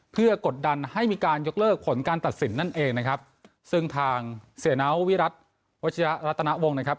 เพื่อกดดันให้มีการยกเลิกผลการตัดสินนั่นเองนะครับซึ่งทางเสียน้าววิรัติวัชยะรัตนวงนะครับ